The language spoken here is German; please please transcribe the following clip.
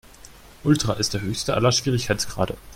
Ultra ist der höchste aller Schwierigkeitsgrade.